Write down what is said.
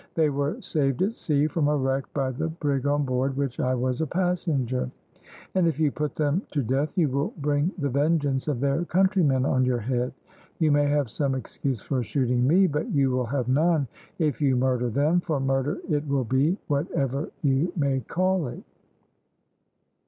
They were saved at sea from a wreck by the brig on board which I was a passenger, and if you put them to death you will bring the vengeance of their countrymen on your head; you may have some excuse for shooting me, but you will have none if you murder them, for murder it will be, whatever you may call it."